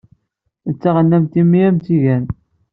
D taɣennant-im i am-tt-igan.